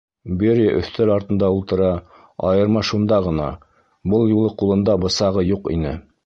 Берия өҫтәл артында ултыра, айырма шунда ғына: был юлы ҡулында бысағы юҡ ине.